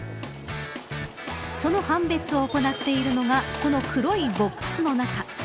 その判別を行っているのがこの黒いボックスの中。